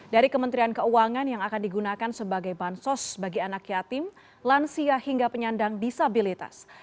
dari kementerian keuangan yang akan digunakan sebagai bansos bagi anak yatim lansia hingga penyandang disabilitas